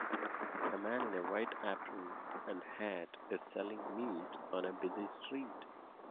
A man in a white apron and hat is selling meat on a busy street.